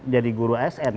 jadi guru asn